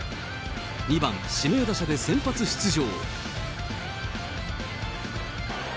２番指名打者で先発出場。